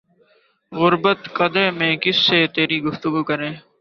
غربت کدے میں کس سے تری گفتگو کریں